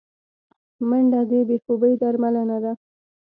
منډه د بې خوبي درملنه ده